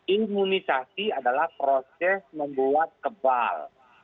imunisasi adalah proses membuat kebal